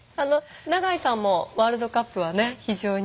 永井さんもワールドカップはね非常に。